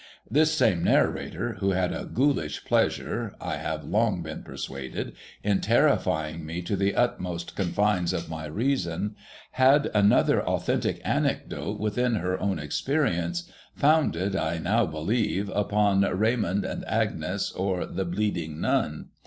This same narrator, who had a Ghoulish pleasure, I have long been persuaded, in terrifying me to the utmost confines of my reason, had anothe/ authentic anecdote within her own experience, 94 THE HOLLY TREE founded, I now believe, upon Raymond and Agnes, or the Bleeding Nun.